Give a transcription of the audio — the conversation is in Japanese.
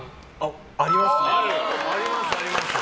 ありますね。